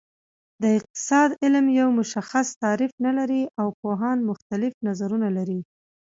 د اقتصاد علم یو مشخص تعریف نلري او پوهان مختلف نظرونه لري